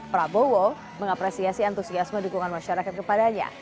prabowo mengapresiasi antusiasme dukungan masyarakat kepadanya